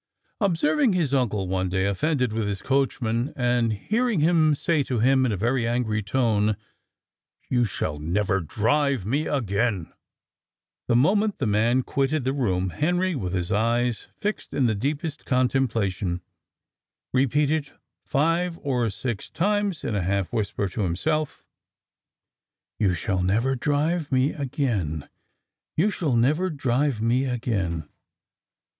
Observing his uncle one day offended with his coachman, and hearing him say to him in a very angry tone, "You shall never drive me again" The moment the man quitted the room, Henry (with his eyes fixed in the deepest contemplation) repeated five or six times, in a half whisper to himself, "You shall never drive me again." "You shall never drive me again."